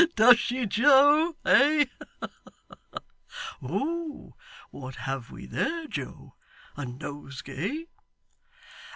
Does she, Joe? Eh! What have we there, Joe a nosegay!